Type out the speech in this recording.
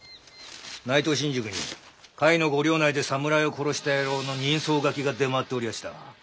内藤新宿に甲斐のご領内で侍を殺した野郎の人相書きが出回っておりやした。